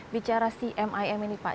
bicara cmim ini pak